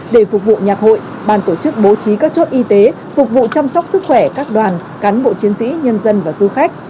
để phục vụ nhạc hội bàn tổ chức bố trí các chốt y tế phục vụ chăm sóc sức khỏe các đoàn cán bộ chiến sĩ nhân dân và du khách